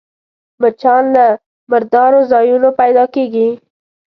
مچان له مردارو ځایونو پيدا کېږي